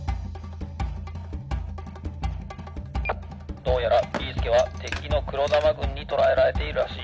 「どうやらビーすけはてきのくろだまぐんにとらえられているらしい。